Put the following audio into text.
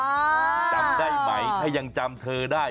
จำได้ไหมถ้ายังจำเธอได้